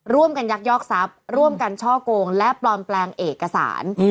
ยักยอกทรัพย์ร่วมกันช่อกงและปลอมแปลงเอกสาร